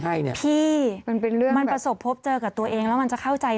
พี่มันประสบพบเจอกับตัวเองและจะเข้าใจ